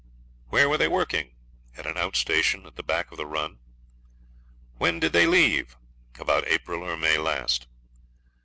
'Where were they working?' 'At an out station at the back of the run.' 'When did they leave?' 'About April or May last.'